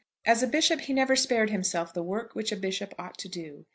As a bishop he never spared himself the work which a bishop ought to do.